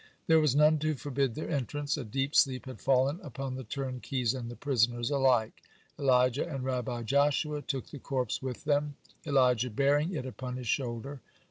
There was none to forbid their entrance; a deep sleep had fallen upon the turnkeys and the prisoners alike. Elijah and Rabbi Joshua took the corpse with them, Elijah bearing it upon his shoulder.